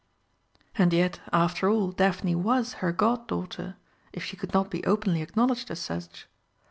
And yet, after all, Daphne was her god daughter, if she could not be openly acknowledged as such.